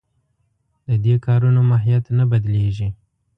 د دې کارونو ماهیت نه بدلېږي.